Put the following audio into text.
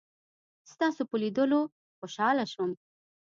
ستاسو په لیدلو خوشحاله شوم.